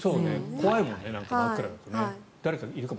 怖いもんね真っ暗だと。